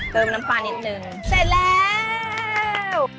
เติมน้ำปลานิดหนึ่งเสร็จแล้ว